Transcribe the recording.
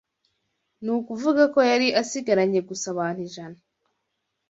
Ni ukuvuga ko yari asigaranye gusa abantu ijana